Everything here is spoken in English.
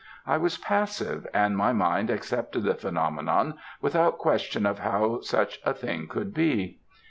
I was passive, and my mind accepted the phenomenon without question of how such at thing could be.